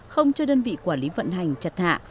không cho đơn vị quản lý vận hành chặt hạ